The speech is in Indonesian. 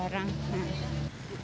ibu sering nggak sih pakai plastik